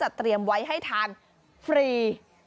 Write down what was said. สัตว์เตรียมไว้ให้ทานฟรี